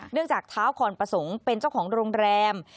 จากเท้าคอนประสงค์เป็นเจ้าของโรงแรม